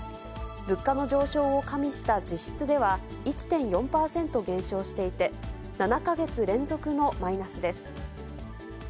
物価の上昇を加味した実質では、１．４％減少していて、７か月連続のマイナスです。